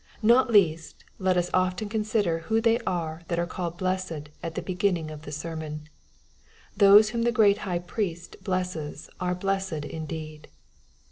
Not least let us often consider who they are that are called blessed at the beginning of the sermon. Those whom the great High Priest blesses are blessed indeed.